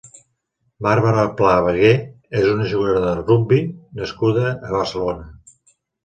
Bàrbara Pla Vegué és una jugadora de rugbi nascuda a Barcelona.